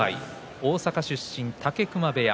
大阪出身、武隈部屋。